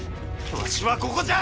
わしはここじゃ！